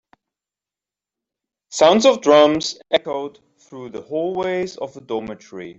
Sounds of drums echoed through the hallways of the dormitory.